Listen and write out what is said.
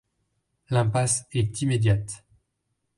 L'impasse est immédiate.